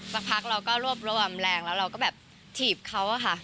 สักพักเราก็รวบรวมแรงแล้วเราก็แบบถีบเขาอะค่ะ